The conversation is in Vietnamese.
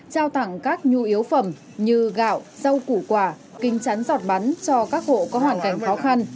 trao tặng các nhu yếu phẩm như gạo rau củ quả kính chắn giọt bắn cho các hộ có hoàn cảnh khó khăn